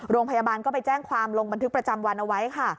โรงพยาบาลก็ไปแจ้งความลงบันทึกประจำวันเอาไว้ค่ะ